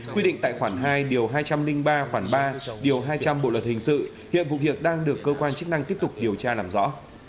quy định tại khoản hai điều hai trăm linh ba khoản ba điều hai trăm linh bộ luật hình sự hiện vụ việc đang được cơ quan chức năng tiếp tục điều tra làm rõ